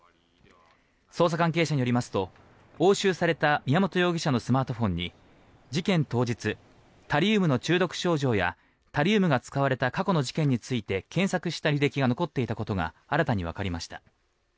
捜査関係者によりますと押収された宮本容疑者のスマートフォンに事件当日、タリウムの中毒症状やタリウムが使われた過去の事件について検索した履歴が残っていたことが新たにわかりました。